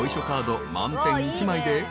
カード満点１枚で］